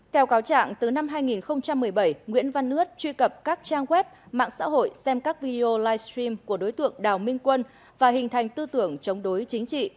theo cáo trạng từ năm hai nghìn một mươi bảy nguyễn văn ướt truy cập các trang web mạng xã hội xem các video livestream của đối tượng đào minh quân và hình thành tư tưởng chống đối chính trị